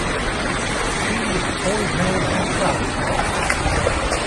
Spylje de voicemail fan Froukje ôf.